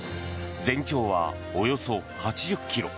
全長はおよそ８０ｋｍ。